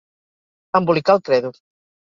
Embolicar el credo.